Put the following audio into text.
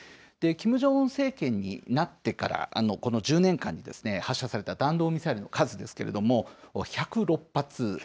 キム・ジョンウン政権になってから、この１０年間に、発射された弾道ミサイルの数ですけれども、１０６発。